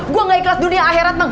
gue nggak ikhlas dunia akhirat bang